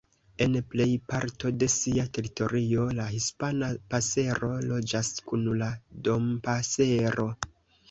En plej parto de sia teritorio, la Hispana pasero loĝas kun la Dompasero.